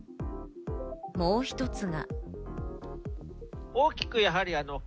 もう一つが。